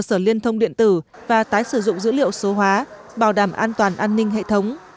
cơ sở liên thông điện tử và tái sử dụng dữ liệu số hóa bảo đảm an toàn an ninh hệ thống